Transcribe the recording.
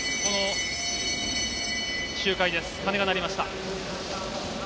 鐘が鳴りました。